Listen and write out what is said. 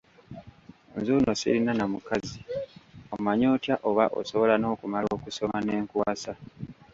Nzuuno sirina na mukazi, omanyi otya oba osobola n'okumala okusoma ne nkuwasa?